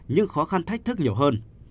nhưng khó khăn thách thức nhiều hơn